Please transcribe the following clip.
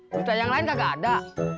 berita yang lain kagak ada